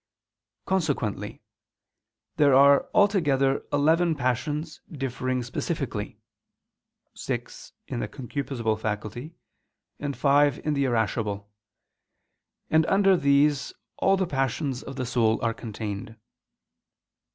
Consequently there are altogether eleven passions differing specifically; six in the concupiscible faculty, and five in the irascible; and under these all the passions of the soul are contained.